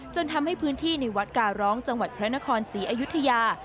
จนทำให้พื้นที่ในวัดการร้องจังหวัดพระนครศรีอยุธยา